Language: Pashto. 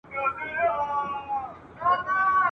د خپل قام د سترګو توری وي د غلیم په مېنه اور وي ..